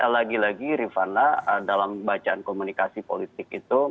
lagi lagi rifana dalam bacaan komunikasi politik itu